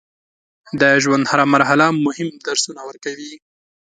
د ژوند هره مرحله مهم درسونه ورکوي.